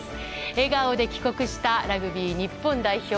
笑顔で帰国したラグビー日本代表。